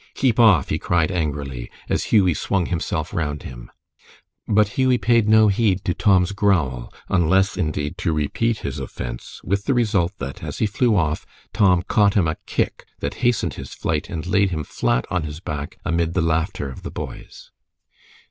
"Keep off!" he cried, angrily, as Hughie swung himself round him. But Hughie paid no heed to Tom's growl, unless, indeed, to repeat his offense, with the result that, as he flew off, Tom caught him a kick that hastened his flight and laid him flat on his back amid the laughter of the boys.